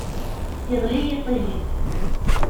Iɣli yiṭij-is.